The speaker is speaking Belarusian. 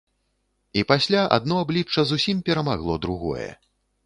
І пасля адно аблічча зусім перамагло другое.